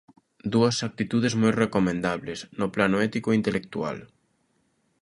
Dúas actitudes moi recomendables, no plano ético e intelectual.